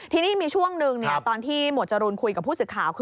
ทีนี้มีช่วงหนึ่งตอนที่หมวดจรูนคุยกับผู้สื่อข่าวคือ